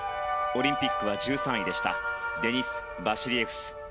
オリンピックは１３位でしたデニス・バシリエフス。